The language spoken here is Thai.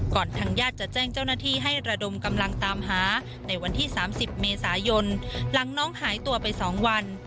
ทางญาติจะแจ้งเจ้าหน้าที่ให้ระดมกำลังตามหาในวันที่๓๐เมษายนหลังน้องหายตัวไป๒วัน